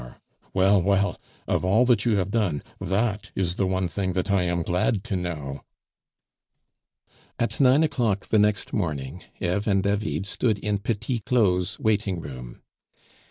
"Well, well, of all that you have done, that is the one thing that I am glad to know." At nine o'clock the next morning Eve and David stood in Petit Claud's waiting room.